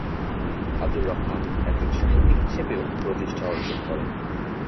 আবদুর রহমান একজন সাহিত্যিক হিসেবেও প্রতিষ্ঠা অর্জন করেন।